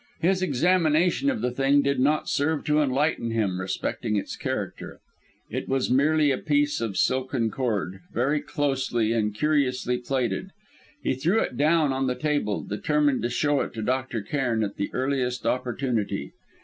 His examination of the thing did not serve to enlighten him respecting its character. It was merely a piece of silken cord, very closely and curiously plaited. He threw it down on the table, determined to show it to Dr. Cairn at the earliest opportunity.